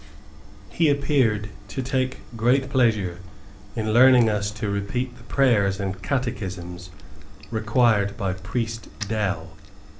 He appeared to take great pleasure in learning us to repeat the prayers and catechism required by Priest Dow.